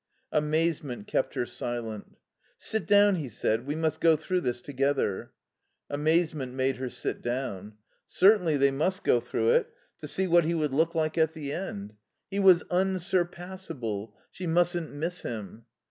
Amazement kept her silent. "Sit down," he said, "we must go through this together." Amazement made her sit down. Certainly they must go through it, to see what he would look like at the end. He was unsurpassable. She mustn't miss him.